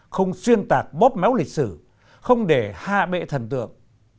không xuyên tạc bóp méo lịch sử không để hạ bệ thần tượng